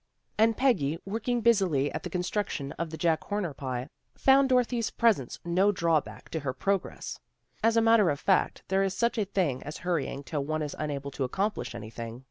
And Peggy, working busily at the construction of the Jack Horner pie, found Dorothy's presence no draw back to her progress. As a matter of fact there is such a thing as hurrying till one is unable to accomplish anything.